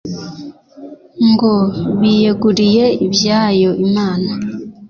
ngo biyegurire ibyayo imana